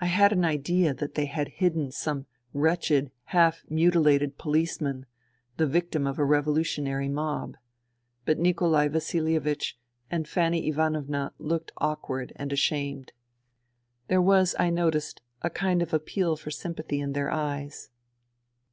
I had an idea that they had hidden some wretched half mutilated policeman, the victim of a revolutionary mob. But Nikolai Vasihevich and Fanny Ivanovna looked awkward and ashamed. There was, I noticed, a kind of appeal for sympathy in their eyes.